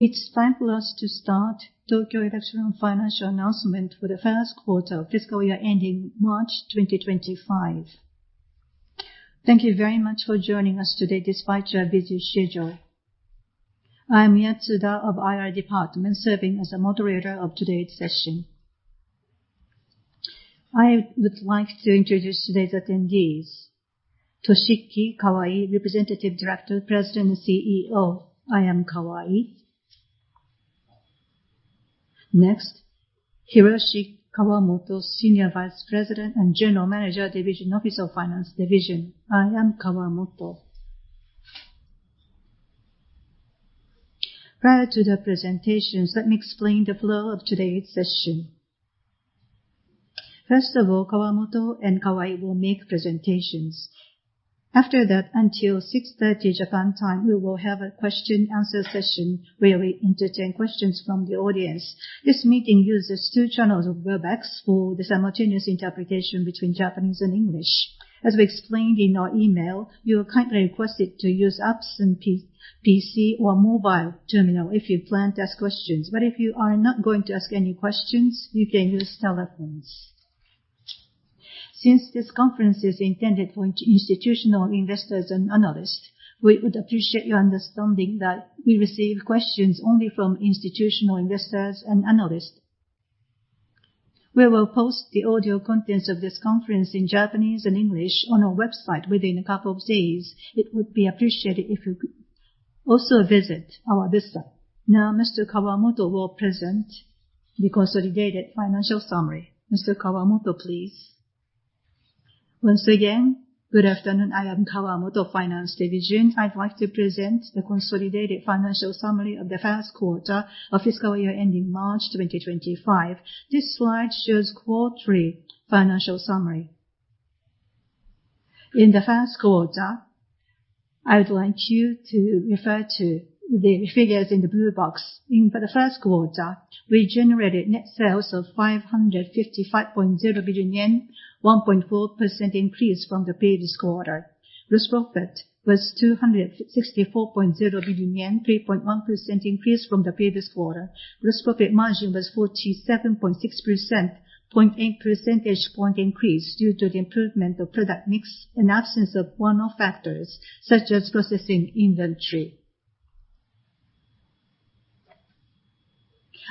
It's time for us to start Tokyo Electron financial announcement for the first quarter of fiscal year ending March 2025. Thank you very much for joining us today despite your busy schedule. I am Yatsuda of IR Department, serving as a moderator of today's session. I would like to introduce today's attendees. Toshiki Kawai, Representative Director, President, and CEO. I am Kawai. Next, Hiroshi Kawamoto, Senior Vice President and General Manager, Division Office of Finance Division. I am Kawamoto. Prior to the presentations, let me explain the flow of today's session. First of all, Kawamoto and Kawai will make presentations. After that, until 6:30 P.M. Japan time, we will have a question and answer session, where we entertain questions from the audience. This meeting uses two channels of Webex for the simultaneous interpretation between Japanese and English. As we explained in our email, you are kindly requested to use apps and PC or mobile terminal if you plan to ask questions, but if you are not going to ask any questions, you can use telephones. Since this conference is intended for institutional investors and analysts, we would appreciate your understanding that we receive questions only from institutional investors and analysts. We will post the audio contents of this conference in Japanese and English on our website within a couple of days. It would be appreciated if you also visit our website. Now, Mr. Kawamoto will present the consolidated financial summary. Mr. Kawamoto, please. Once again, good afternoon. I am Kawamoto, Finance Division. I'd like to present the consolidated financial summary of the first quarter of fiscal year ending March 2025. This slide shows quarterly financial summary. In the first quarter, I would like you to refer to the figures in the blue box. In the first quarter, we generated net sales of 555.0 billion yen, 1.4% increase from the previous quarter. Gross profit was 264.0 billion yen, 3.1% increase from the previous quarter. Gross profit margin was 47.6%, 0.8 percentage point increase due to the improvement of product mix and absence of one-off factors, such as processing inventory.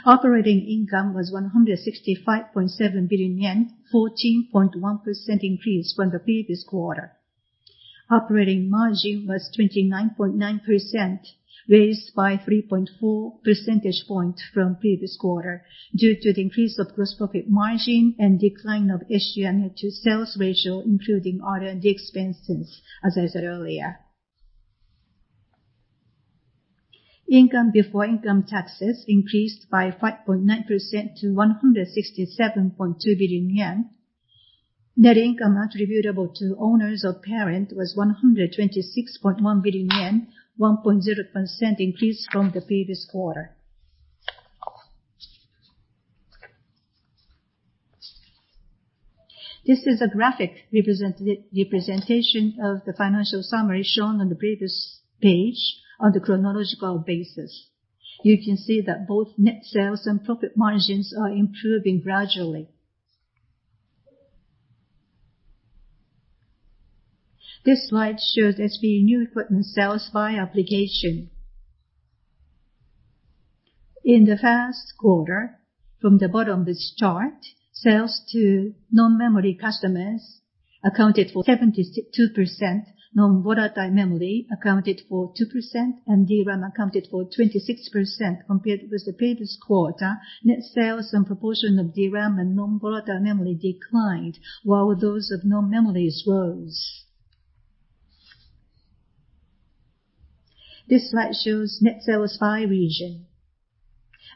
Operating income was 165.7 billion yen, 14.1% increase from the previous quarter. Operating margin was 29.9%, raised by 3.4 percentage points from previous quarter due to the increase of gross profit margin and decline of SG&A to sales ratio, including R&D expenses, as I said earlier. Income before income taxes increased by 5.9% to 167.2 billion yen. Net income attributable to owners of parent was 126.1 billion yen, 1.0% increase from the previous quarter. This is a graphic representation of the financial summary shown on the previous page on the chronological basis. You can see that both net sales and profit margins are improving gradually. This slide shows SPE new equipment sales by application. In the first quarter, from the bottom of this chart, sales to non-memory customers accounted for 72%, non-volatile memory accounted for 2%, and DRAM accounted for 26% compared with the previous quarter. Net sales and proportion of DRAM and non-volatile memory declined, while those of non-memories rose. This slide shows net sales by region.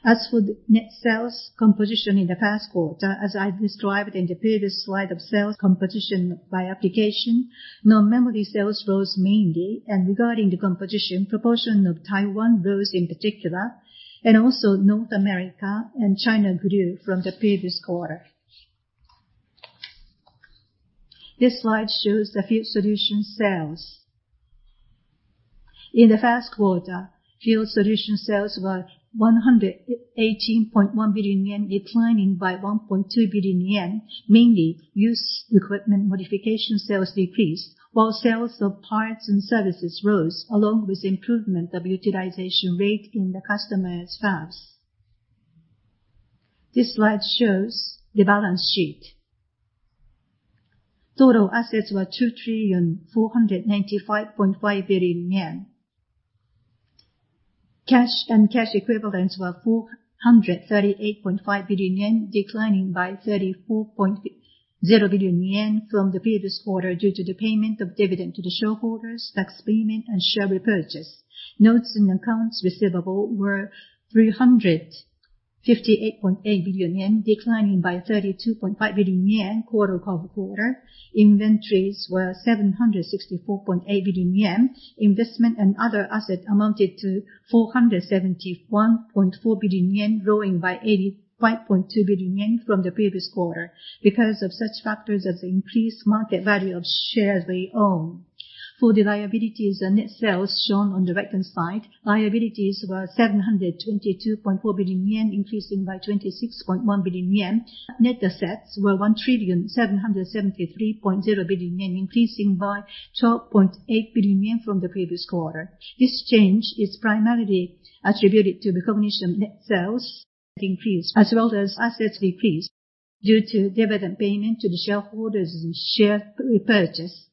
As for the net sales composition in the first quarter, as I described in the previous slide of sales composition by application, non-memory sales rose mainly, and regarding the composition, proportion of Taiwan rose in particular, and also North America and China grew from the previous quarter. This slide shows the field solution sales. In the first quarter, field solution sales were 118.1 billion yen, declining by 1.2 billion yen, mainly used equipment modification sales decreased, while sales of parts and services rose, along with improvement of utilization rate in the customer's fabs. This slide shows the balance sheet. Total assets were 2,495.5 billion yen. Cash and cash equivalents were 438.5 billion yen, declining by 34.0 billion yen from the previous quarter due to the payment of dividend to the shareholders, tax payment, and share repurchase. Notes and accounts receivable were 358.8 billion yen, declining by 32.5 billion yen quarter-over-quarter. Inventories were 764.8 billion yen. Investment and other assets amounted to 471.4 billion yen, growing by 85.2 billion yen from the previous quarter because of such factors as the increased market value of shares we own. For the liabilities and net sales shown on the right-hand side, liabilities were 722.4 billion yen, increasing by 26.1 billion yen. Net assets were 1,773.0 billion yen, increasing by 12.8 billion yen from the previous quarter. This change is primarily attributed to the recognition of net sales increase, as well as assets decreased due to dividend payment to the shareholders and share repurchase.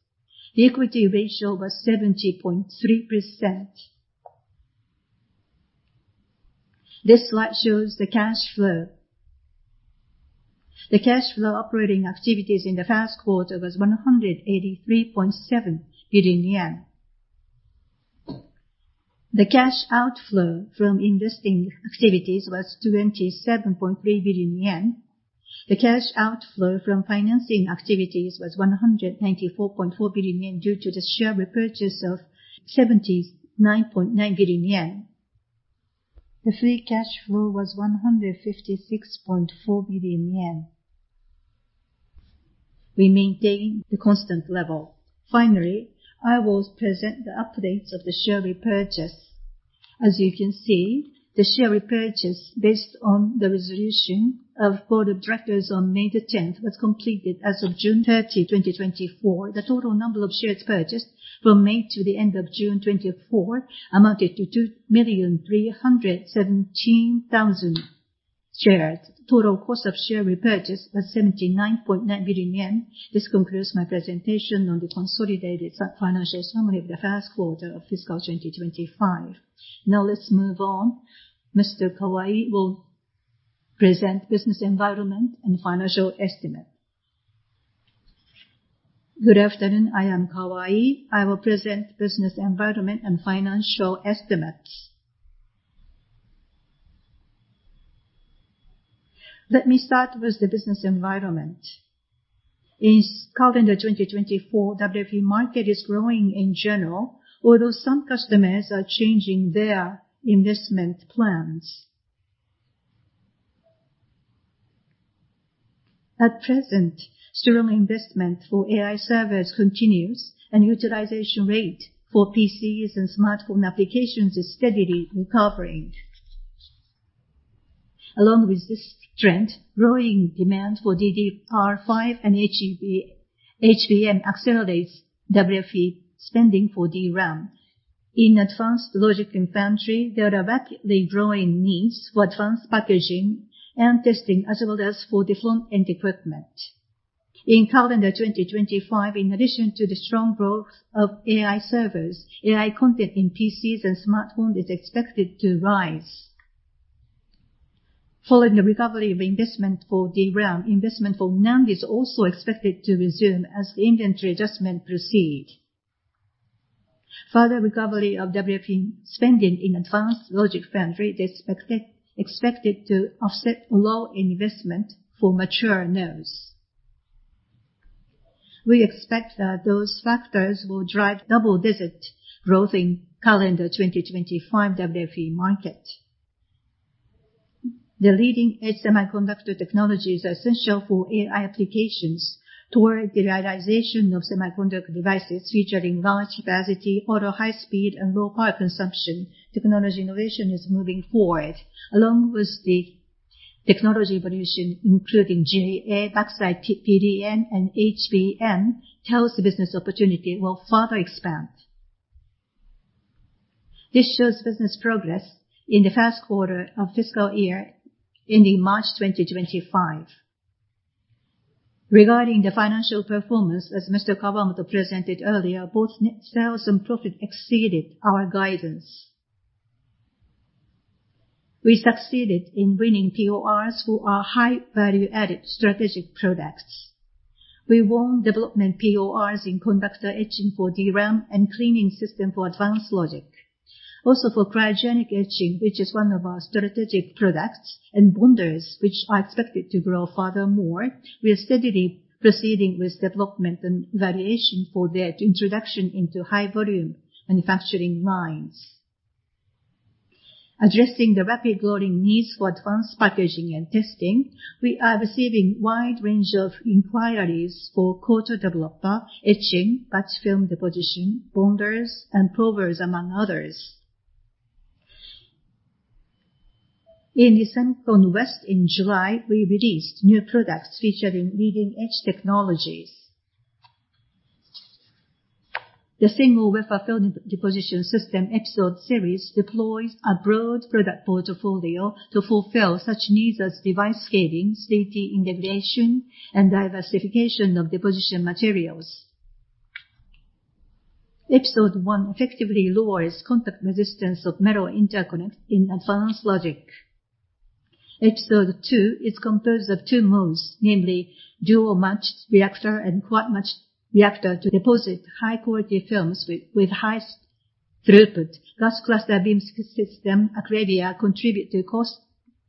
The equity ratio was 70.3%. This slide shows the cash flow. The cash flow operating activities in the first quarter was 183.7 billion yen. The cash outflow from investing activities was 27.3 billion yen. The cash outflow from financing activities was 194.4 billion yen, due to the share repurchase of 79.9 billion yen. The free cash flow was 156.4 billion yen. We maintain the constant level. Finally, I will present the updates of the share repurchase. As you can see, the share repurchase based on the resolution of board of directors on May the 10th, was completed as of June 30, 2024. The total number of shares purchased from May to the end of June 2024, amounted to 2,317,000 shares. Total cost of share repurchase was 79.9 billion yen. This concludes my presentation on the consolidated financial summary of the first quarter of fiscal 2025. Now let's move on. Mr. Kawai will present business environment and financial estimate. Good afternoon, I am Kawai. I will present business environment and financial estimates. Let me start with the business environment. In calendar 2024, WFE market is growing in general, although some customers are changing their investment plans. At present, strong investment for AI servers continues, and utilization rate for PCs and smartphone applications is steadily recovering. Along with this trend, growing demand for DDR5 and HBM accelerates WFE spending for DRAM. In advanced logic foundry, there are rapidly growing needs for advanced packaging and testing, as well as for different end equipment. In calendar 2025, in addition to the strong growth of AI servers, AI content in PCs and smartphone is expected to rise. Following the recovery of investment for DRAM, investment for NAND is also expected to resume as the inventory adjustment proceed. Further recovery of WFE spending in advanced logic foundry is expected, expected to offset low investment for mature NANDs. We expect that those factors will drive double-digit growth in calendar 2025 WFE market. The leading-edge semiconductor technologies are essential for AI applications. Toward the realization of semiconductor devices featuring large capacity or high speed and low power consumption, technology innovation is moving forward. Along with the technology evolution, including GAA, backside PDN, and HBM, TEL's business opportunity will further expand. This shows business progress in the first quarter of fiscal year ending March 2025. Regarding the financial performance, as Mr. Kawamoto presented earlier, both net sales and profit exceeded our guidance. We succeeded in winning PORs for our high value-added strategic products. We won development PORs in conductor etching for DRAM and cleaning system for advanced logic. Also, for cryogenic etching, which is one of our strategic products, and bonders, which are expected to grow furthermore, we are steadily proceeding with development and validation for their introduction into high volume manufacturing lines. Addressing the rapidly growing needs for advanced packaging and testing, we are receiving a wide range of inquiries for coater/developer, etching, batch film deposition, bonders, and probers, among others. In the SEMICON West in July, we released new products featuring leading-edge technologies. The single wafer film deposition system, Episode series, deploys a broad product portfolio to fulfill such needs as device scaling, safety integration, and diversification of deposition materials. Episode One effectively lowers contact resistance of metal interconnect in advanced logic. Episode Two is composed of two modes, namely dual matched reactor and quad matched reactor, to deposit high-quality films with high throughput. Gas cluster beam system, Acrevia, contributes to cost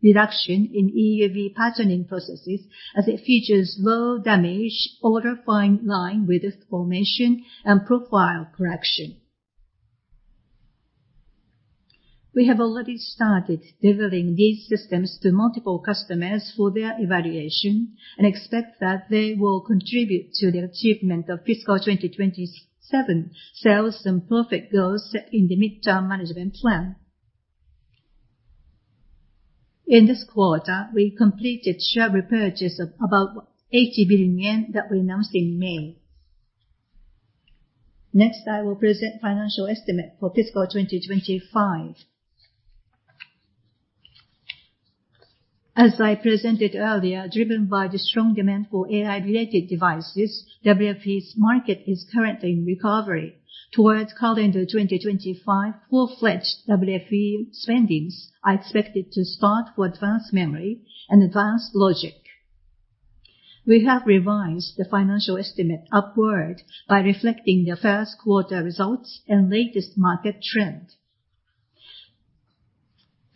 reduction in EUV patterning processes, as it features low damage, ultra-fine line width formation and profile correction. We have already started delivering these systems to multiple customers for their evaluation, and expect that they will contribute to the achievement of fiscal 2027 sales and profit goals set in the midterm management plan. In this quarter, we completed share repurchase of about 80 billion yen that we announced in May. Next, I will present financial estimate for fiscal 2025. As I presented earlier, driven by the strong demand for AI-related devices, WFE's market is currently in recovery. Toward calendar 2025, full-fledged WFE spendings are expected to start for advanced memory and advanced logic. We have revised the financial estimate upward by reflecting the first quarter results and latest market trend.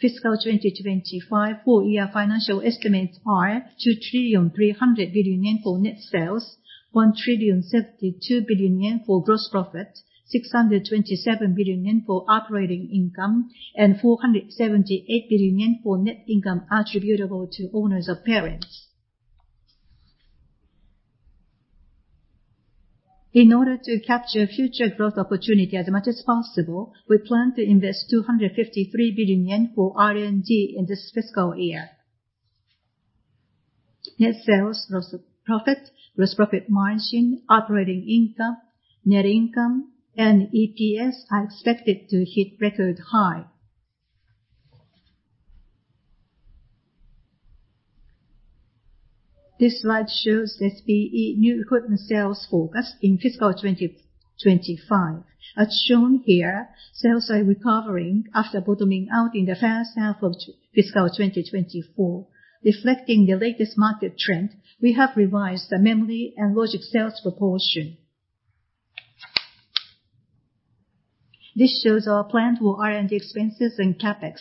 Fiscal 2025 full year financial estimates are 2,300 billion yen for net sales, 1,072 billion yen for gross profit, 627 billion yen for operating income, and 478 billion yen for net income attributable to owners of parent. In order to capture future growth opportunity as much as possible, we plan to invest 253 billion yen for R&D in this fiscal year. Net sales, gross profit, gross profit margin, operating income, net income, and EPS are expected to hit record high. This slide shows SPE new equipment sales forecast in fiscal 2025. As shown here, sales are recovering after bottoming out in the first half of fiscal 2024. Reflecting the latest market trend, we have revised the memory and logic sales proportion. This shows our plan for R&D expenses and CapEx.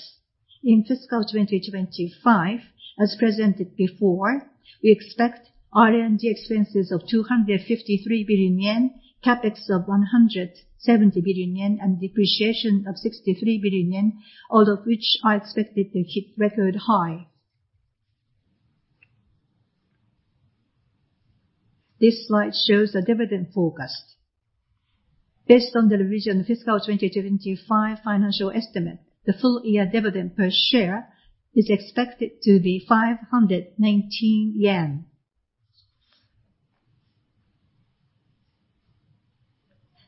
In fiscal 2025, as presented before, we expect R&D expenses of 253 billion yen, CapEx of 170 billion yen, and depreciation of 63 billion yen, all of which are expected to hit record high. This slide shows the dividend forecast. Based on the revision of fiscal 2025 financial estimate, the full year dividend per share is expected to be 519 yen.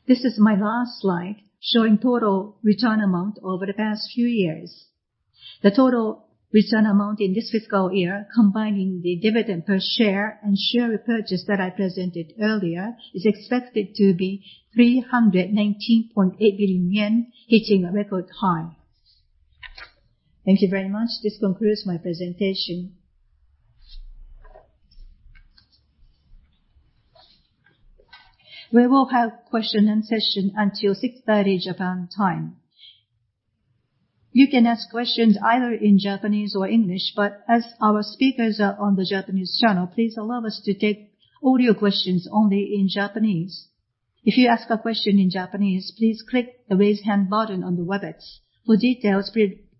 This is my last slide, showing total return amount over the past few years. The total return amount in this fiscal year, combining the dividend per share and share repurchase that I presented earlier, is expected to be 319.8 billion yen, hitting a record high. Thank you very much. This concludes my presentation. We will have question and session until 6:30 Japan time. You can ask questions either in Japanese or English, but as our speakers are on the Japanese channel, please allow us to take audio questions only in Japanese. If you ask a question in Japanese, please click the Raise Hand button on the Webex. For details,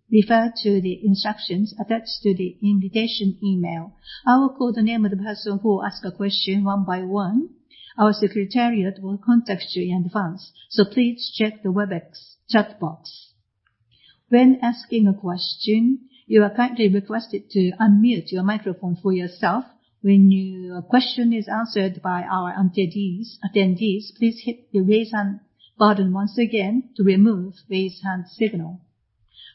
please refer to the instructions attached to the invitation email. I will call the name of the person who will ask a question one by one. Our secretariat will contact you in advance, so please check the Webex chat box. When asking a question, you are kindly requested to unmute your microphone for yourself. When your question is answered by our attendees, please hit the Raise Hand button once again to remove raise hand signal.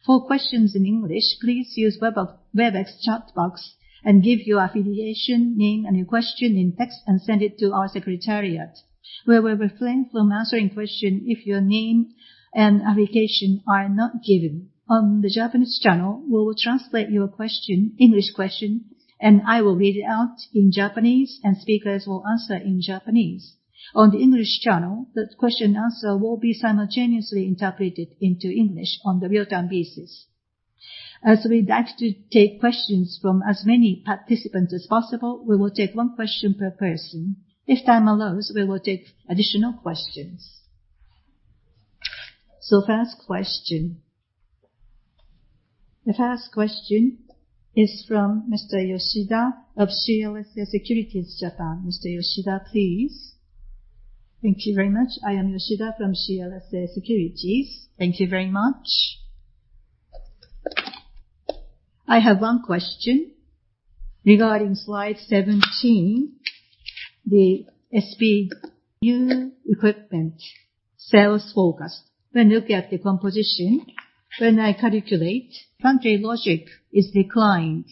For questions in English, please use Webex chat box and give your affiliation, name, and your question in text, and send it to our secretariat. We will refrain from answering question if your name and affiliation are not given. On the Japanese channel, we will translate your question, English question, and I will read it out in Japanese, and speakers will answer in Japanese. On the English channel, the question and answer will be simultaneously interpreted into English on the real-time basis. As we'd like to take questions from as many participants as possible, we will take one question per person. If time allows, we will take additional questions. So first question. The first question is from Mr. Yoshida of CLSA Securities, Japan. Mr. Yoshida, please. Thank you very much. I am Yoshida from CLSA Securities. Thank you very much. I have one question regarding slide 17, the SP new equipment sales forecast. When you look at the composition, when I calculate, foundry logic is declined,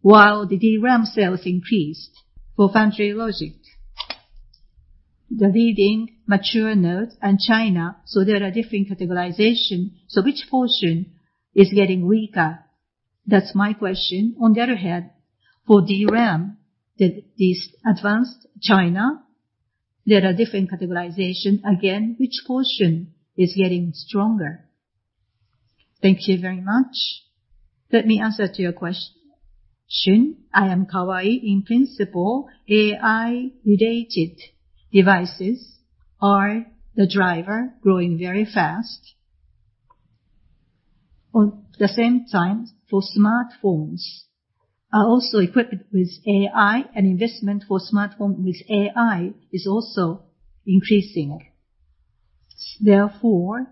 while the DRAM sales increased. For foundry logic, the leading mature node and China, so there are different categorization. So which portion is getting weaker?... That's my question. On the other hand, for DRAM, the, this advanced China, there are different categorization. Again, which portion is getting stronger? Thank you very much. Let me answer to your question. I am Kawai. In principle, AI-related devices are the driver, growing very fast. On the same time, for smartphones are also equipped with AI, and investment for smartphone with AI is also increasing. Therefore,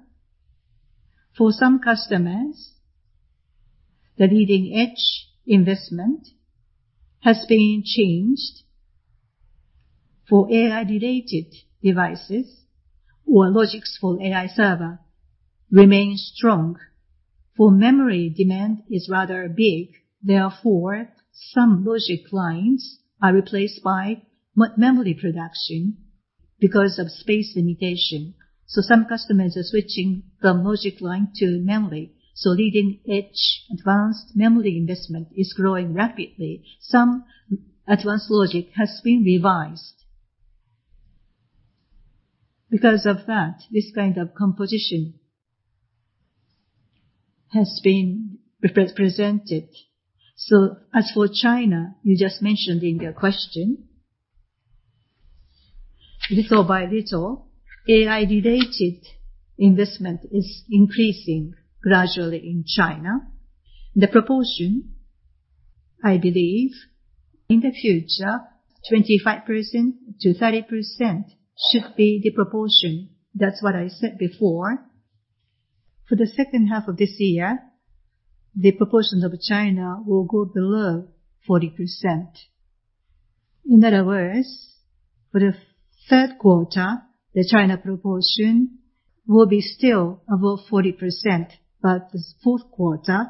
for some customers, the leading-edge investment has been changed. For AI-related devices or logics for AI server remains strong. For memory, demand is rather big, therefore, some logic lines are replaced by memory production because of space limitation. So some customers are switching from logic line to memory. So leading-edge advanced memory investment is growing rapidly. Some advanced logic has been revised. Because of that, this kind of composition has been represented. So as for China, you just mentioned in your question, little by little, AI-related investment is increasing gradually in China. The proportion, I believe, in the future, 25%-30% should be the proportion. That's what I said before. For the second half of this year, the proportion of China will go below 40%. In other words, for the third quarter, the China proportion will be still above 40%, but this fourth quarter,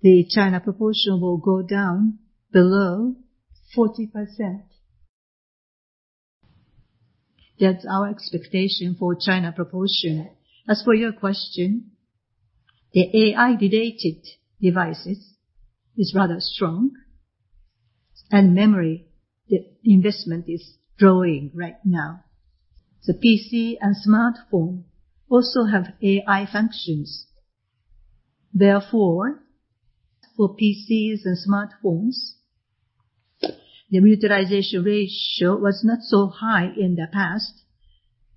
the China proportion will go down below 40%. That's our expectation for China proportion. As for your question, the AI-related devices is rather strong, and memory, the investment is growing right now. The PC and smartphone also have AI functions. Therefore, for PCs and smartphones, the utilization ratio was not so high in the past,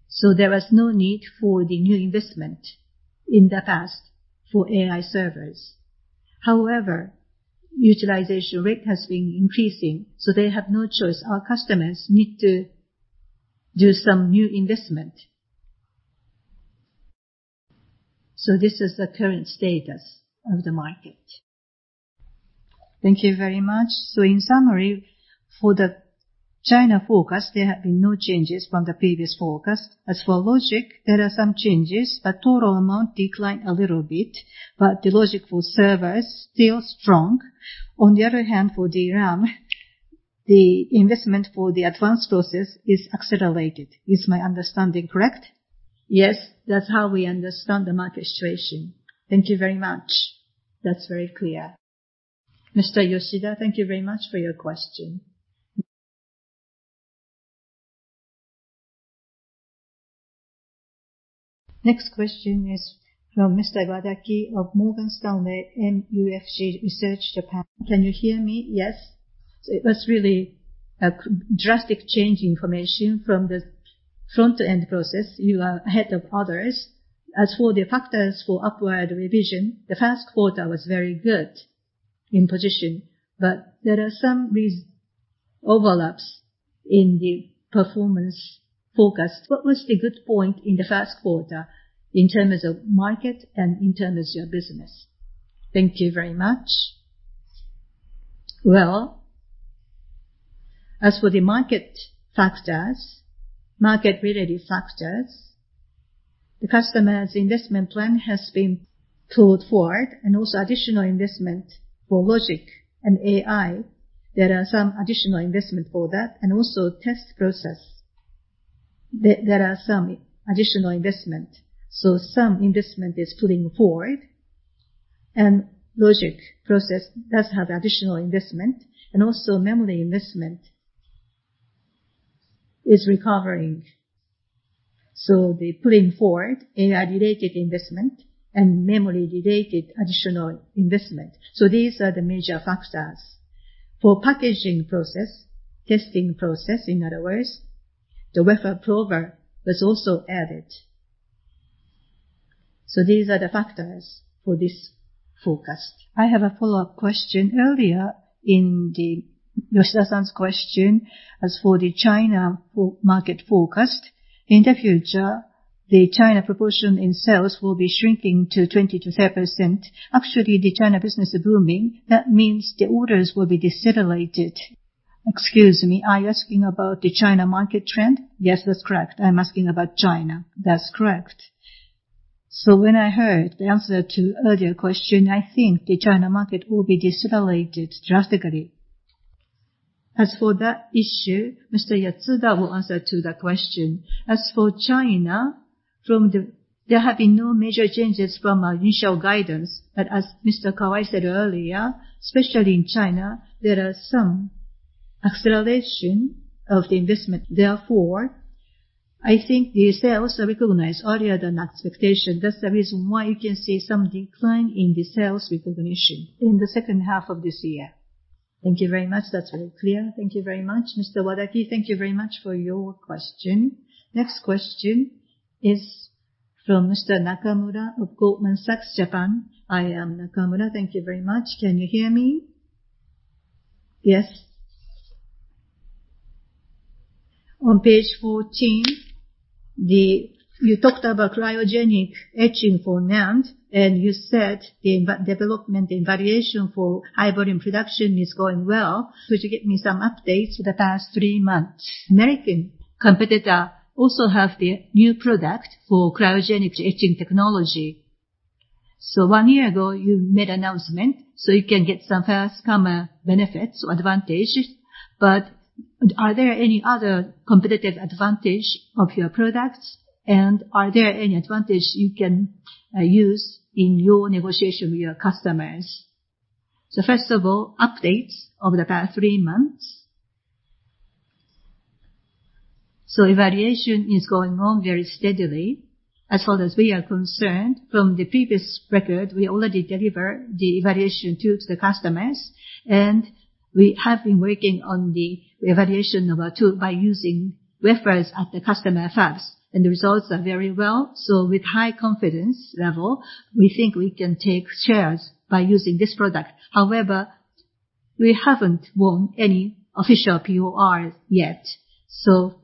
so there was no need for the new investment in the past for AI servers. However, utilization rate has been increasing, so they have no choice. Our customers need to do some new investment. So this is the current status of the market. Thank you very much. So in summary, for the China forecast, there have been no changes from the previous forecast. As for logic, there are some changes, but total amount declined a little bit, but the logic for servers, still strong. On the other hand, for DRAM, the investment for the advanced process is accelerated. Is my understanding correct? Yes, that's how we understand the market situation. Thank you very much. That's very clear. Mr. Yoshida, thank you very much for your question. Next question is from Mr. Wadaki of Morgan Stanley MUFG Research Japan. Can you hear me? Yes. So it was really a drastic change in information from the front-end process. You are ahead of others. As for the factors for upward revision, the first quarter was very good in position, but there are some overlaps in the performance forecast. What was the good point in the first quarter in terms of market and in terms of your business? Thank you very much. Well, as for the market factors, market-related factors, the customer's investment plan has been pulled forward, and also additional investment for logic and AI. There are some additional investment for that, and also test process. There, there are some additional investment, so some investment is pulling forward. And logic process does have additional investment, and also memory investment is recovering. So the pulling forward, AI-related investment and memory-related additional investment, so these are the major factors. For packaging process, testing process, in other words, the wafer prober was also added. So these are the factors for this forecast. I have a follow-up question. Earlier in the Yoshida-san's question, as for the China market forecast, in the future, the China proportion in sales will be shrinking to 20%-10%. Actually, the China business is booming. That means the orders will be decelerated. Excuse me, are you asking about the China market trend? Yes, that's correct. I'm asking about China. That's correct. So when I heard the answer to earlier question, I think the China market will be decelerated drastically. As for that issue, Mr. Yatsuda will answer to that question. As for China, from there have been no major changes from our initial guidance. But as Mr. Kawai said earlier, especially in China, there are some acceleration of the investment. Therefore, I think the sales are recognized earlier than expectation. That's the reason why you can see some decline in the sales recognition in the second half of this year. Thank you very much. That's very clear. Thank you very much, Mr. Wadaki. Thank you very much for your question. Next question is from Mr. Nakamura of Goldman Sachs Japan. I am Nakamura. Thank you very much. Can you hear me? Yes. On page 14, you talked about cryogenic etching for NAND, and you said the development and evaluation for high-volume production is going well. Could you give me some updates for the past three months? American competitor also have the new product for cryogenic etching technology. So one year ago, you made announcement, so you can get some first-mover benefits or advantages. But are there any other competitive advantage of your products, and are there any advantage you can use in your negotiation with your customers? So first of all, updates over the past three months. So evaluation is going on very steadily. As far as we are concerned, from the previous record, we already delivered the evaluation tools to the customers, and we have been working on the evaluation of our tool by using wafers at the customer fab. And the results are very well, so with high confidence level, we think we can take shares by using this product. However, we haven't won any official POR yet. So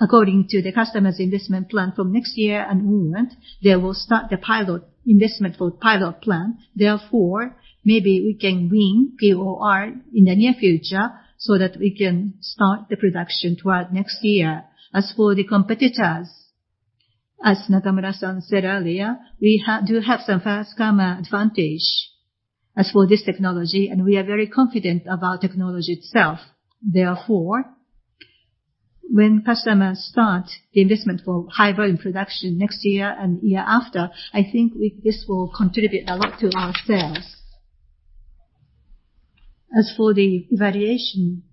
according to the customer's investment plan from next year onward, they will start the pilot investment for pilot plan. Therefore, maybe we can win POR in the near future so that we can start the production toward next year. As for the competitors, as Nakamura-san said earlier, we do have some first-comer advantage as for this technology, and we are very confident about technology itself. Therefore, when customers start the investment for high-volume production next year and year after, I think this will contribute a lot to our sales. As for the evaluation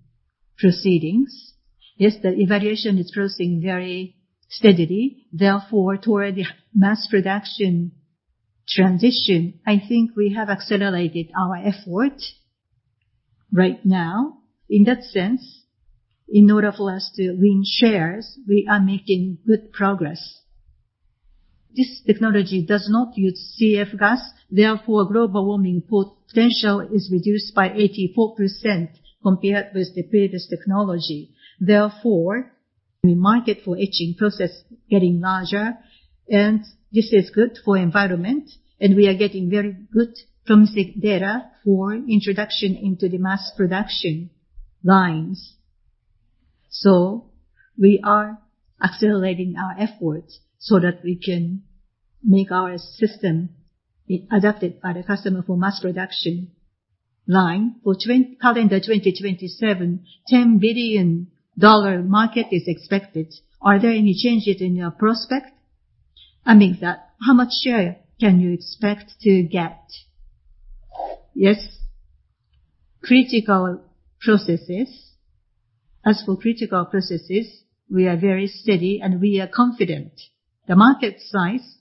proceedings, yes, the evaluation is proceeding very steadily. Therefore, toward the mass production transition, I think we have accelerated our effort right now. In that sense, in order for us to win shares, we are making good progress. This technology does not use CF gas, therefore, global warming potential is reduced by 84% compared with the previous technology. Therefore, the market for etching process is getting larger, and this is good for environment, and we are getting very good promising data for introduction into the mass production lines. So we are accelerating our efforts so that we can make our system be adopted by the customer for mass production line. For calendar 2027, $10 billion market is expected. Are there any changes in your prospect? I mean, that, how much share can you expect to get? Yes. Critical processes. As for critical processes, we are very steady, and we are confident. The market size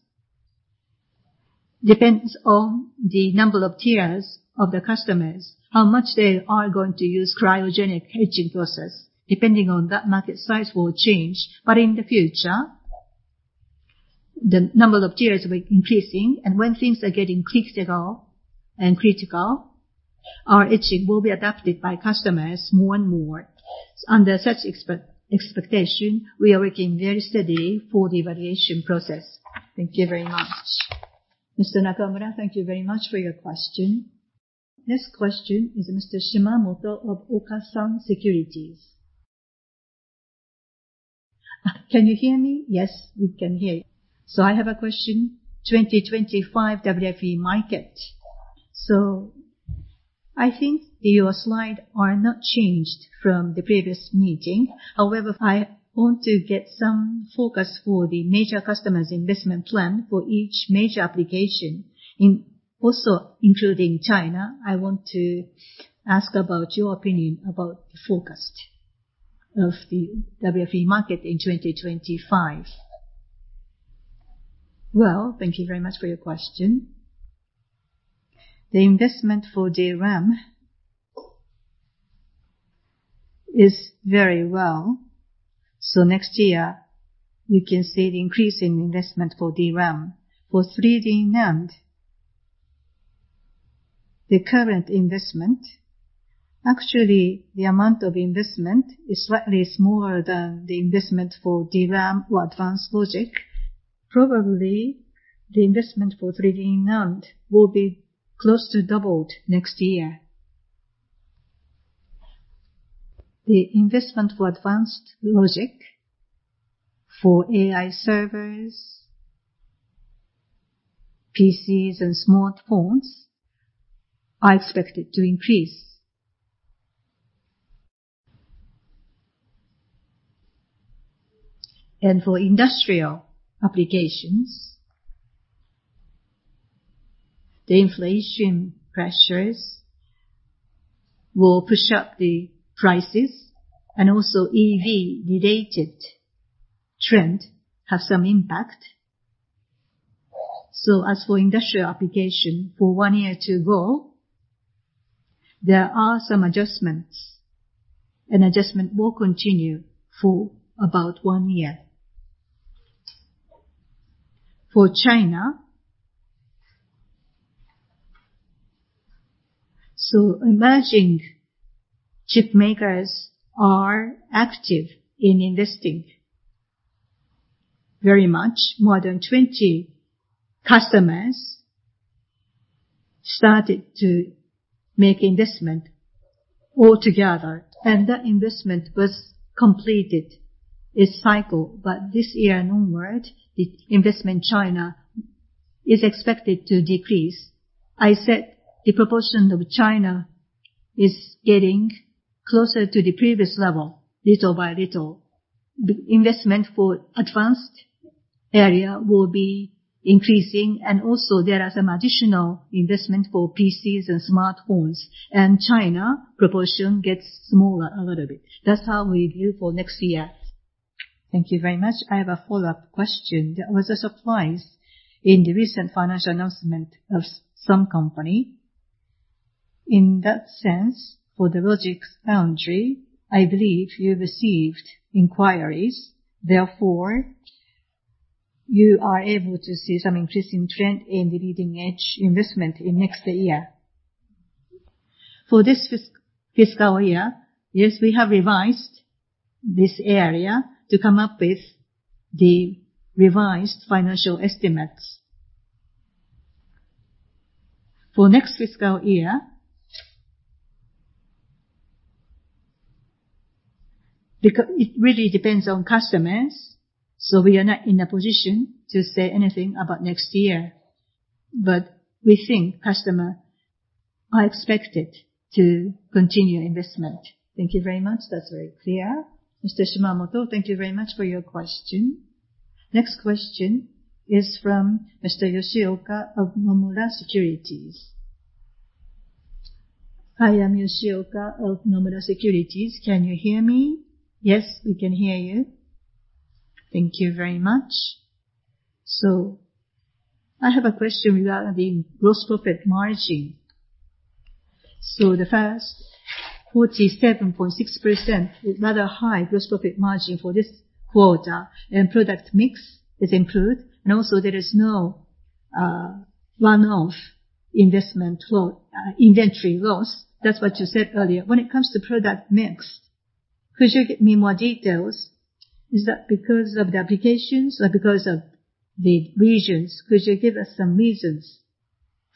depends on the number of tiers of the customers, how much they are going to use cryogenic etching process. Depending on that, market size will change. But in the future, the number of tiers will be increasing, and when things are getting critical and critical, our etching will be adapted by customers more and more. Under such expectation, we are working very steadily for the evaluation process. Thank you very much. Mr. Nakamura, thank you very much for your question. Next question is Mr. Shimamoto of Okasan Securities. Ah, can you hear me? Yes, we can hear you. So I have a question. 2025 WFE market. So I think your slides are not changed from the previous meeting. However, I want to get some focus for the major customers' investment plan for each major application, in-- also including China. I want to ask about your opinion about the forecast of the WFE market in 2025. Well, thank you very much for your question. The investment for DRAM is very well. So next year, you can see the increase in investment for DRAM. For 3D NAND, the current investment, actually, the amount of investment is slightly smaller than the investment for DRAM or advanced logic. Probably, the investment for 3D NAND will be close to doubled next year. The investment for advanced logic, for AI servers-... PCs and smartphones are expected to increase. For industrial applications, the inflation pressures will push up the prices, and also EV-related trend have some impact. As for industrial application, for one year to go, there are some adjustments, and adjustment will continue for about one year. For China, emerging chip makers are active in investing very much. More than 20 customers started to make investment altogether, and that investment was completed this cycle. This year onward, the investment China is expected to decrease. I said the proportion of China is getting closer to the previous level, little by little. The investment for advanced area will be increasing, and also there are some additional investment for PCs and smartphones, and China proportion gets smaller a little bit. That's how we view for next year. Thank you very much. I have a follow-up question. There was a surprise in the recent financial announcement of some company. In that sense, for the logic foundry, I believe you received inquiries, therefore, you are able to see some increasing trend in the leading-edge investment in next year. For this fiscal year, yes, we have revised this area to come up with the revised financial estimates. For next fiscal year, it really depends on customers, so we are not in a position to say anything about next year, but we think customers are expected to continue investment. Thank you very much. That's very clear. Mr. Shimamoto, thank you very much for your question. Next question is from Mr. Yoshioka of Nomura Securities. I am Yoshioka of Nomura Securities. Can you hear me? Yes, we can hear you. Thank you very much. So I have a question regarding gross profit margin. So the first, 47.6% is rather high gross profit margin for this quarter, and product mix is improved, and also there is no, one-off investment flow, inventory loss. That's what you said earlier. When it comes to product mix, could you give me more details? Is that because of the applications or because of the regions? Could you give us some reasons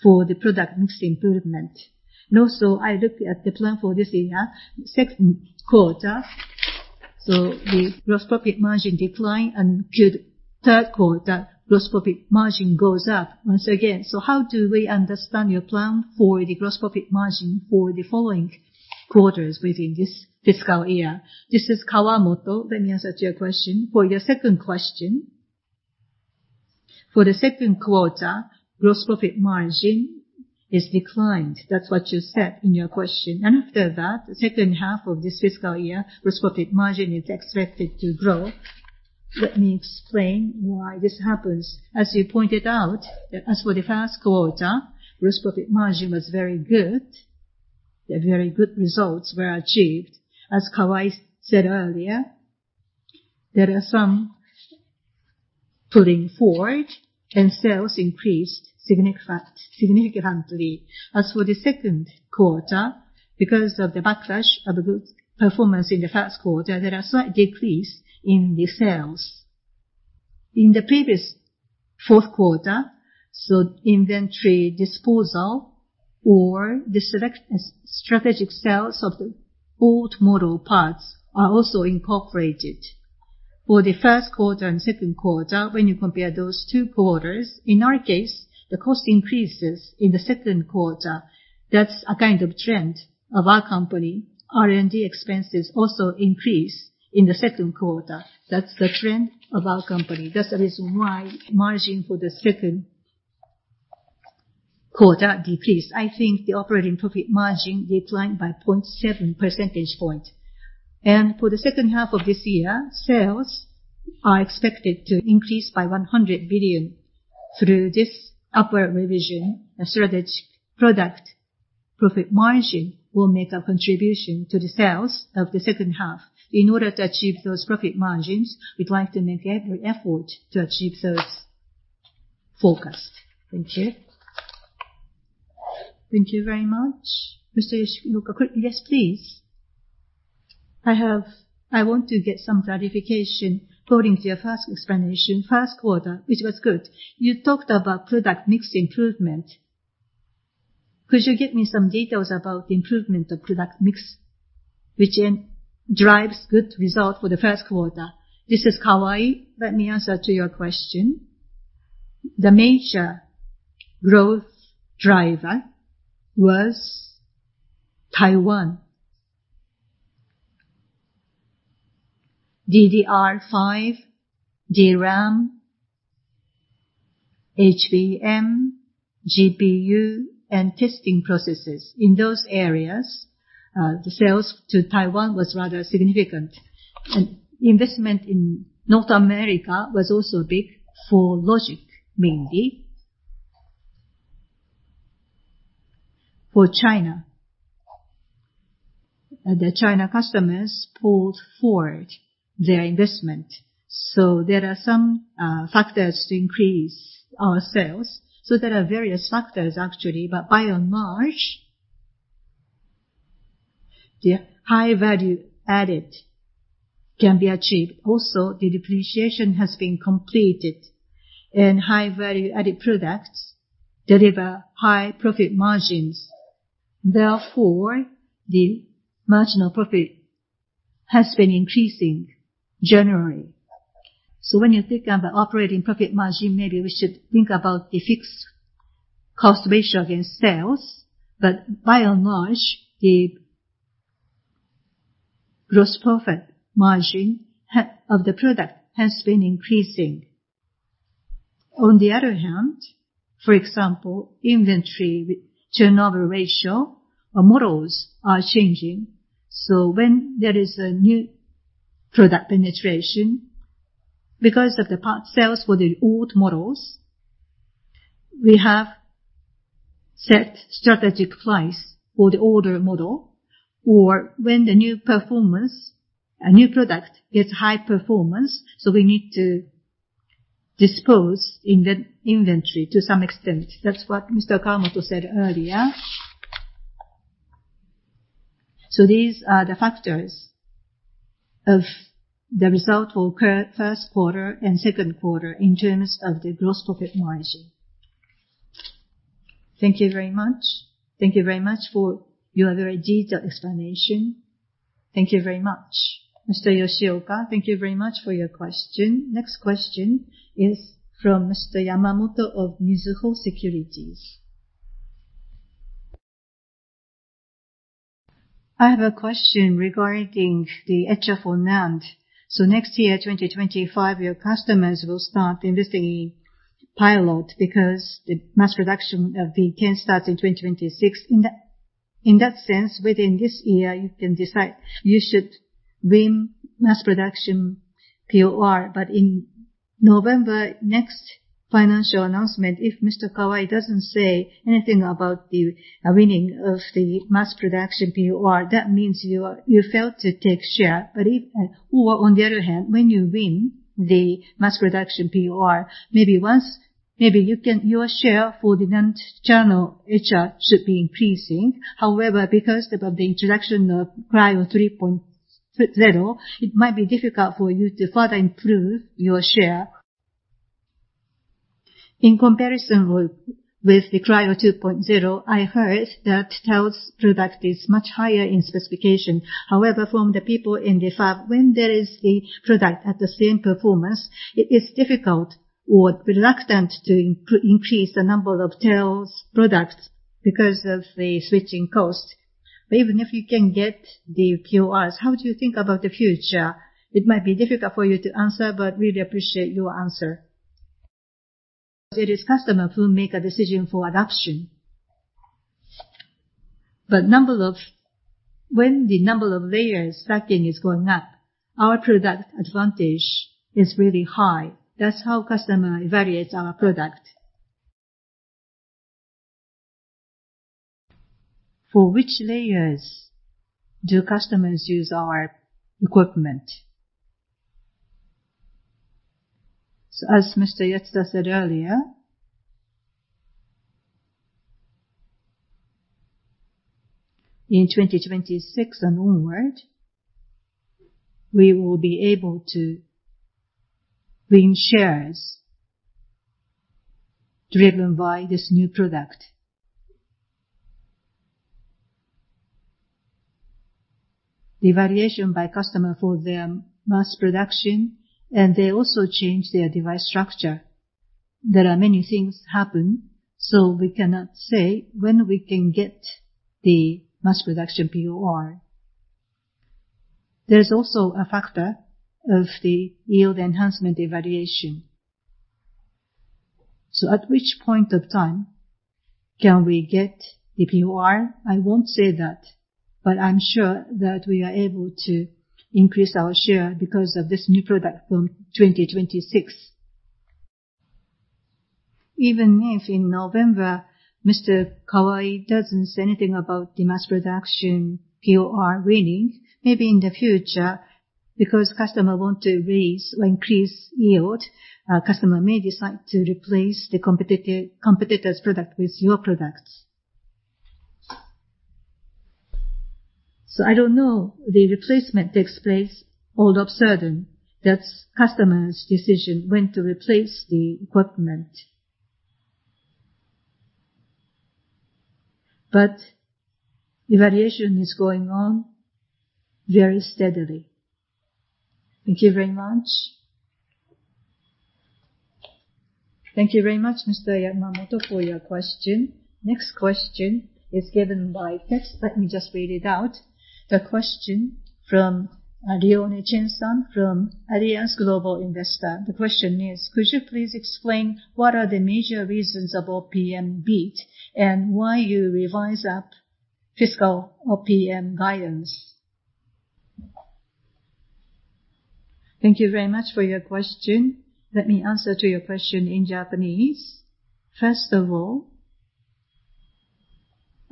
for the product mix improvement? And also, I looked at the plan for this year, second quarter, so the gross profit margin decline, and third quarter, gross profit margin goes up once again. So how do we understand your plan for the gross profit margin for the following quarters within this fiscal year? This is Kawamoto. Let me answer to your question. For your second question, for the second quarter, gross profit margin is declined. That's what you said in your question. After that, the second half of this fiscal year, gross profit margin is expected to grow. Let me explain why this happens. As you pointed out, as for the first quarter, gross profit margin was very good. The very good results were achieved. As Kawai said earlier, there are some pulling forward, and sales increased significantly. As for the second quarter, because of the backlash of the good performance in the first quarter, there are slight decrease in the sales. In the previous fourth quarter, so inventory disposal or the strategic sales of the old model parts are also incorporated. For the first quarter and second quarter, when you compare those two quarters, in our case, the cost increases in the second quarter. That's a kind of trend of our company. R&D expenses also increase in the second quarter. That's the trend of our company. That's the reason why margin for the second quarter decreased. I think the operating profit margin declined by 0.7 percentage point. For the second half of this year, sales are expected to increase by 100 billion. Through this upward revision, a strategic product profit margin will make a contribution to the sales of the second half. In order to achieve those profit margins, we'd like to make every effort to achieve those forecast. Thank you. Thank you very much. Mr. Yoshioka, yes, please. I have, I want to get some clarification according to your first explanation. First quarter, which was good, you talked about product mix improvement. Could you give me some details about the improvement of product mix, which in drives good result for the first quarter? This is Kawai. Let me answer to your question. The major growth driver was Taiwan. DDR5, DRAM, HBM, GPU, and testing processes. In those areas, the sales to Taiwan was rather significant, and investment in North America was also big for logic, mainly. For China, the China customers pulled forward their investment, so there are some factors to increase our sales. So there are various factors, actually, but by and large, the high value added can be achieved. Also, the depreciation has been completed, and high value-added products deliver high profit margins. Therefore, the marginal profit has been increasing generally. So when you think of the operating profit margin, maybe we should think about the fixed cost ratio against sales. But by and large, the gross profit margin of the product has been increasing. On the other hand, for example, inventory with turnover ratio or models are changing. So when there is a new product penetration, because of the part sales for the old models, we have set strategic price for the older model, or when the new performance, a new product gets high performance, so we need to dispose in the inventory to some extent. That's what Mr. Kawamoto said earlier. So these are the factors of the result for first quarter and second quarter in terms of the gross profit margin. Thank you very much. Thank you very much for your very detailed explanation. Thank you very much. Mr. Yoshioka, thank you very much for your question. Next question is from Mr. Yamamoto of Mizuho Securities. I have a question regarding the etcher for NAND. So next year, 2025, your customers will start investing in pilot, because the mass production of the ten starts in 2026. In that, in that sense, within this year, you can decide you should win mass production POR. But in November, next financial announcement, if Mr. Kawai doesn't say anything about the winning of the mass production POR, that means you are, you failed to take share. But if or on the other hand, when you win the mass production POR, maybe once maybe you can your share for the NAND channel etcher should be increasing. However, because of the introduction of Cryo 3.0, it might be difficult for you to further improve your share. In comparison with, with the Cryo 2.0, I heard that TEL's product is much higher in specification. However, from the people in the fab, when there is the product at the same performance, it is difficult or reluctant to increase the number of TEL's products because of the switching cost. Even if you can get the PORs, how do you think about the future? It might be difficult for you to answer, but really appreciate your answer. It is customer who make a decision for adoption. When the number of layers stacking is going up, our product advantage is really high. That's how customer evaluates our product. For which layers do customers use our equipment? So as Mr. Yatsuda said earlier, in 2026 and onward, we will be able to win shares driven by this new product. The evaluation by customer for their mass production, and they also change their device structure. There are many things happen, so we cannot say when we can get the mass production POR. There's also a factor of the yield enhancement evaluation. So at which point of time can we get the POR? I won't say that, but I'm sure that we are able to increase our share because of this new product from 2026. Even if in November, Mr. Kawai doesn't say anything about the mass production POR winning, maybe in the future, because customer want to raise or increase yield, customer may decide to replace the competitor's product with your products. So I don't know, the replacement takes place all of a sudden. That's customer's decision when to replace the equipment. But evaluation is going on very steadily. Thank you very much. Thank you very much, Mr. Yamamoto, for your question. Next question is given by text. Let me just read it out. The question from Leone Chen, sir, from Allianz Global Investors. The question is: Could you please explain what are the major reasons of OPM beat, and why you revise up fiscal OPM guidance? Thank you very much for your question. Let me answer to your question in Japanese. First of all,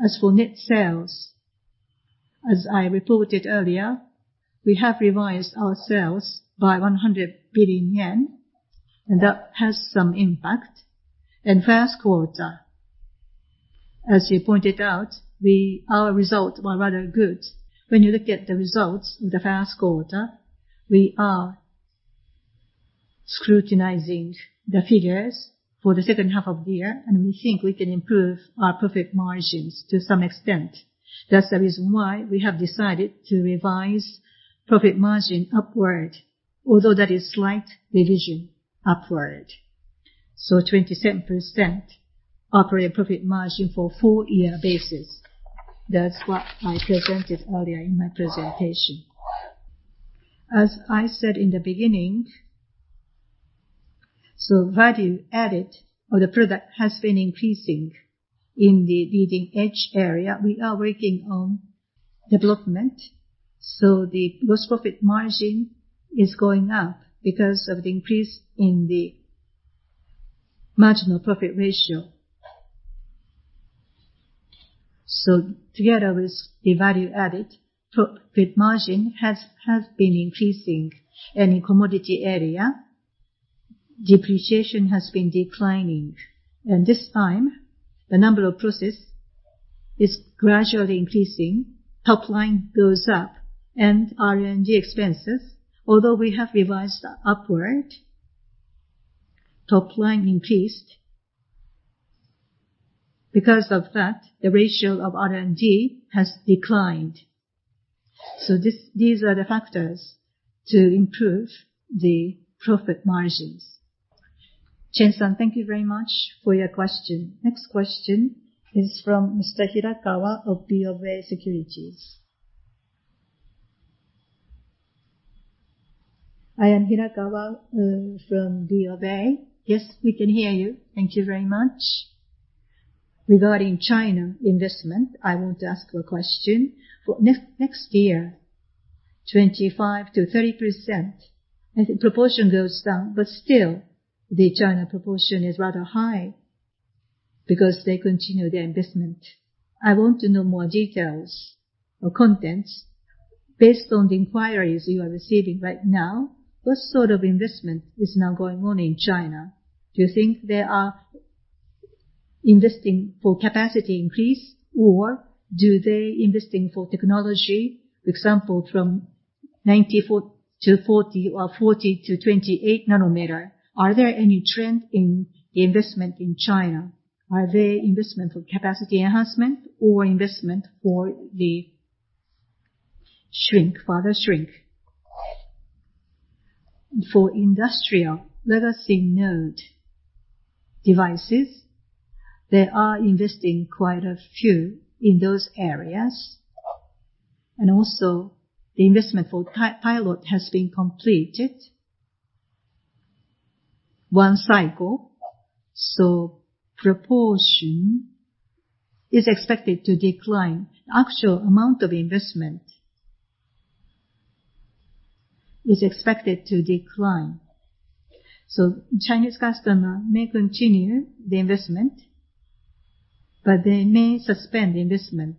as for net sales, as I reported earlier, we have revised our sales by 100 billion yen, and that has some impact. In first quarter, as you pointed out, our results were rather good. When you look at the results of the first quarter, we are scrutinizing the figures for the second half of the year, and we think we can improve our profit margins to some extent. That's the reason why we have decided to revise profit margin upward, although that is slight revision upward. So 27% operating profit margin for full year basis. That's what I presented earlier in my presentation. As I said in the beginning, so value added or the product has been increasing in the leading edge area. We are working on development, so the gross profit margin is going up because of the increase in the marginal profit ratio. So together with the value added, profit margin has, has been increasing, and in commodity area, depreciation has been declining. This time, the number of process is gradually increasing, top line goes up, and R&D expenses, although we have revised upward, top line increased. Because of that, the ratio of R&D has declined. So these are the factors to improve the profit margins. Chen, sir, thank you very much for your question. Next question is from Mr. Hirakawa of BofA Securities. I am Hirakawa from BofA. Yes, we can hear you. Thank you very much. Regarding China investment, I want to ask you a question. For next, next year, 25%-30%, I think proportion goes down, but still, the China proportion is rather high because they continue the investment. I want to know more details or contents. Based on the inquiries you are receiving right now, what sort of investment is now going on in China? Do you think they are investing for capacity increase, or do they investing for technology? Example, from 94-40, or 40-28 nanometer. Are there any trend in the investment in China? Are they investment for capacity enhancement or investment for the shrink, further shrink? For industrial, let us say, node devices, they are investing quite a few in those areas. And also, the investment for pilot has been completed one cycle, so proportion is expected to decline. Actual amount of investment is expected to decline. So Chinese customer may continue the investment, but they may suspend the investment.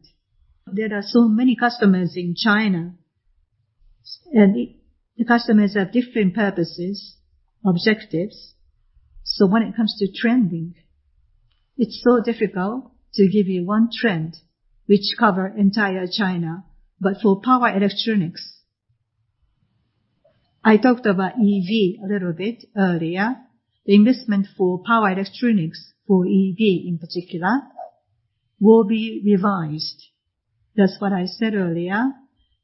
There are so many customers in China, and the customers have different purposes, objectives. So when it comes to trending, it's so difficult to give you one trend which cover entire China. But for power electronics, I talked about EV a little bit earlier. The investment for power electronics, for EV in particular, will be revised. That's what I said earlier.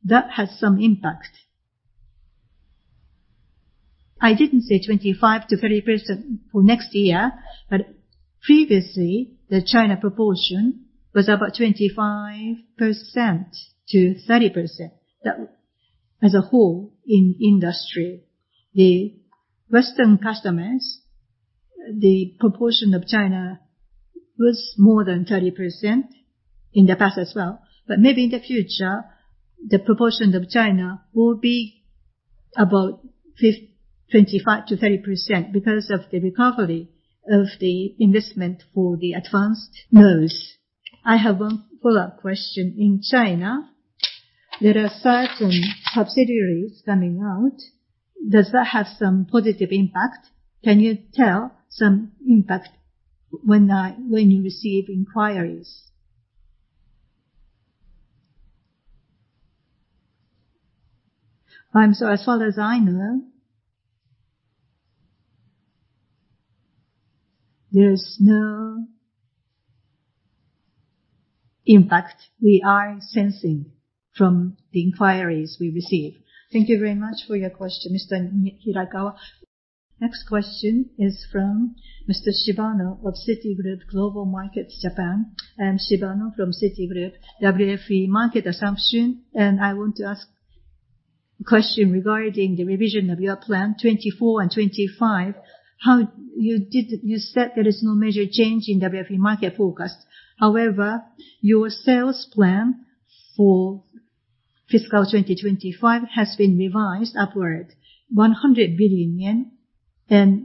That has some impact. I didn't say 25%-30% for next year, but previously, the China proportion was about 25%-30%. That, as a whole, in industry, the Western customers, the proportion of China was more than 30% in the past as well. But maybe in the future, the proportion of China will be about 25%-30% because of the recovery of the investment for the advanced nodes. I have one follow-up question. In China, there are certain subsidiaries coming out. Does that have some positive impact? Can you tell some impact? When you receive inquiries? As far as I know, there's no impact we are sensing from the inquiries we receive. Thank you very much for your question, Mr. Hirakawa. Next question is from Mr. Shibano of Citigroup Global Markets Japan. I am Shibano from Citigroup. WFE market assumption, and I want to ask question regarding the revision of your plan 2024 and 2025. How did you say there is no major change in WFE market forecast. However, your sales plan for fiscal 2025 has been revised upward 100 billion yen, and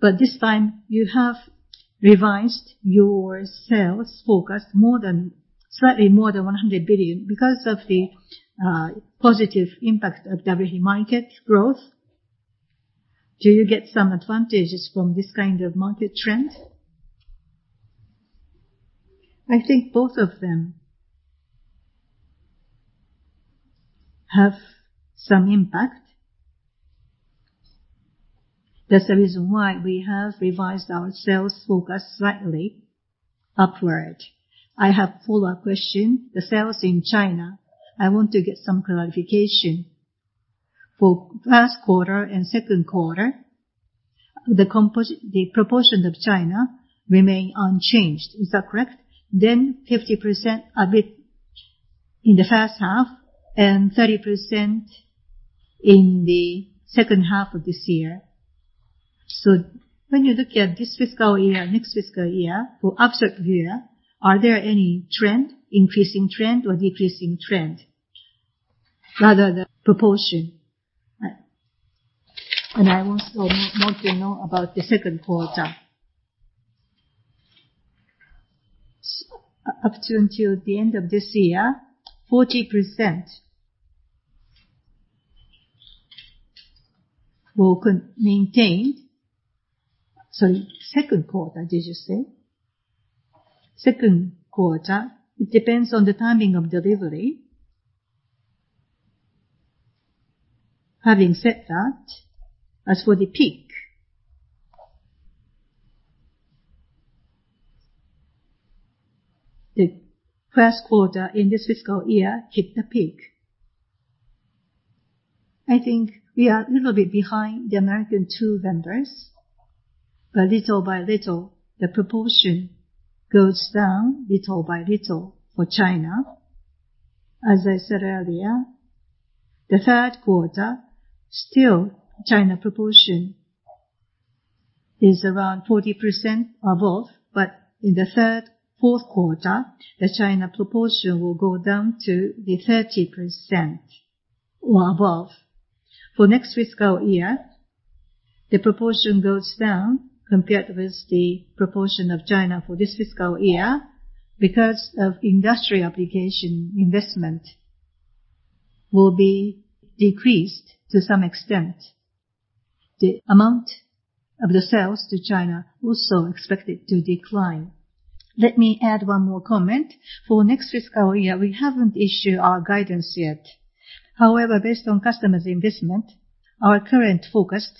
but this time, you have revised your sales forecast more than, slightly more than 100 billion because of the positive impact of WFE market growth. Do you get some advantages from this kind of market trend? I think both of them have some impact. That's the reason why we have revised our sales forecast slightly upward. I have follow-up question. The sales in China, I want to get some clarification. For first quarter and second quarter, the proportion of China remained unchanged. Is that correct? Then 50% a bit in the first half, and 30% in the second half of this year. So when you look at this fiscal year, next fiscal year, for upstart year, are there any trend, increasing trend or decreasing trend, rather than proportion? And I want to know about the second quarter. Up until the end of this year, 40% will be maintained. Sorry, second quarter, did you say? Second quarter, it depends on the timing of delivery. Having said that, as for the peak, the first quarter in this fiscal year hit the peak. I think we are a little bit behind the American two vendors, but little by little, the proportion goes down, little by little for China. As I said earlier, the third quarter, still, China proportion is around 40% above, but in the third, fourth quarter, the China proportion will go down to the 30% or above. For next fiscal year, the proportion goes down compared with the proportion of China for this fiscal year. Because of industrial application, investment will be decreased to some extent. The amount of the sales to China also expected to decline. Let me add one more comment. For next fiscal year, we haven't issued our guidance yet. However, based on customers' investment, our current forecast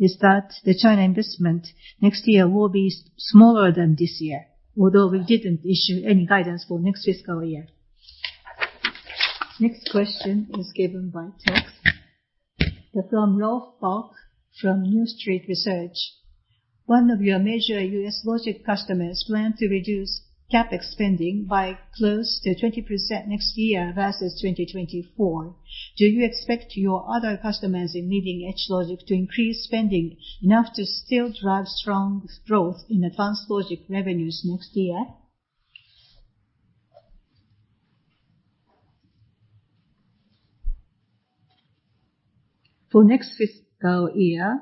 is that the China investment next year will be smaller than this year, although we didn't issue any guidance for next fiscal year. Next question is given by text. From Rolf Bulk from New Street Research: One of your major U.S. logic customers plan to reduce CapEx spending by close to 20% next year versus 2024. Do you expect your other customers in leading H logic to increase spending enough to still drive strong growth in advanced logic revenues next year? For next fiscal year,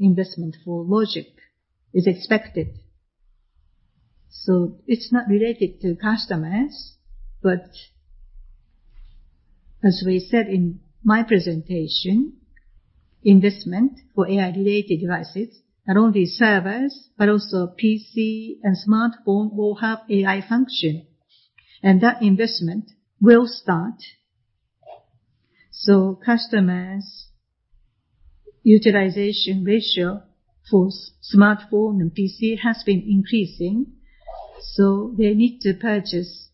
investment for logic is expected, so it's not related to customers. But as we said in my presentation, investment for AI-related devices, not only servers, but also PC and smartphone, will have AI function, and that investment will start. So customers' utilization ratio for smartphone and PC has been increasing, so they need to purchase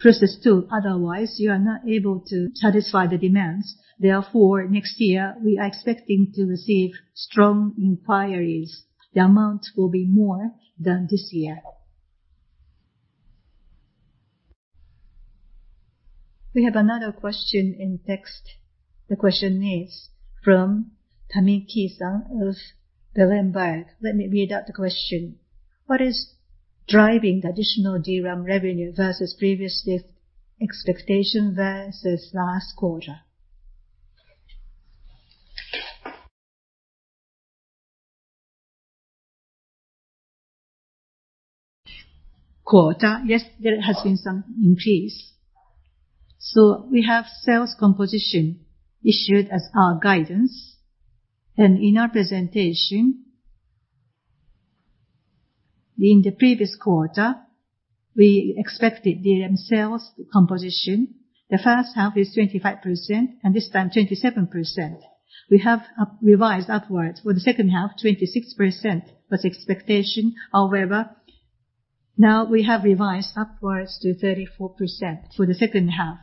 process too. Otherwise, you are not able to satisfy the demands. Therefore, next year, we are expecting to receive strong inquiries. The amount will be more than this year. We have another question in text. The question is from [Tammy Qiu of Berenberg]. Let me read out the question: What is driving the additional DRAM revenue versus previous year's expectation versus last quarter? Quarter, yes, there has been some increase. So we have sales composition issued as our guidance, and in our presentation, in the previous quarter, we expected the sales composition. The first half is 25%, and this time, 27%. We have revised upwards. For the second half, 26% was expectation. However, now we have revised upwards to 34% for the second half.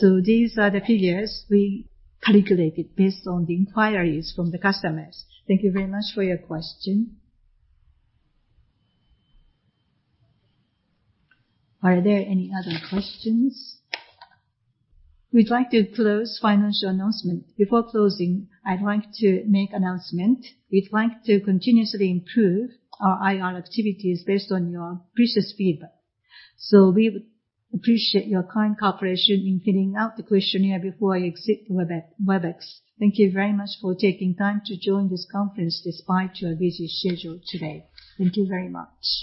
So these are the figures we calculated based on the inquiries from the customers. Thank you very much for your question. Are there any other questions? We'd like to close financial announcement. Before closing, I'd like to make announcement. We'd like to continuously improve our IR activities based on your precious feedback, so we would appreciate your kind cooperation in filling out the questionnaire before you exit the Webex. Thank you very much for taking time to join this conference despite your busy schedule today. Thank you very much.